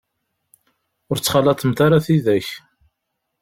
Ur ttxalaḍemt ara tidak.